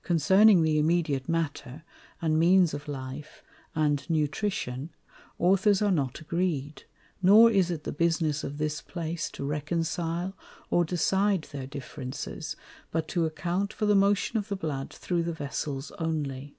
_] Concerning the immediate Matter, and Means of Life, and Nutrition, Authors are not agreed, nor is it the business of this place to reconcile, or decide their Differences, but to account for the Motion of the Blood through the Vessels only.